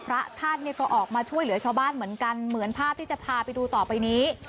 พระท่านเนี่ยก็ออกมาช่วยเหลือชาวบ้านเหมือนกันเหมือนภาพที่จะพาไปดูต่อไปนี้